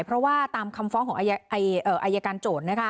เพราะว่าตามคำฟ้องของอายการโจทย์